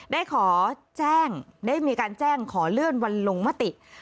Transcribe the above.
ได้ขอแจ้งได้มีการแจ้งขอเลื่อนวันลงมติ